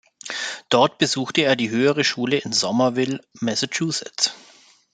Dort besuchte er die höhere Schule in Somerville, Massachusetts.